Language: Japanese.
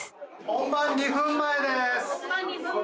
本番２分前です。